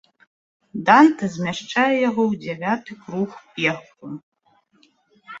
Дантэ змяшчае яго ў дзявяты круг пекла.